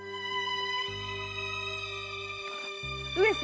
上様。